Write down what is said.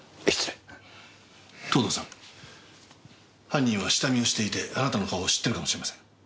犯人は下見をしていてあなたの顔を知ってるかもしれません。